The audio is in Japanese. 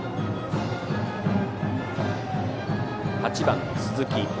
８番の鈴木。